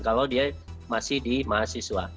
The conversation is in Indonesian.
kalau dia masih di mahasiswa